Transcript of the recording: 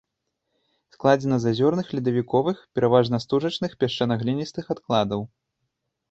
Складзена з азёрных ледавіковых, пераважна стужачных, пясчана-гліністых адкладаў.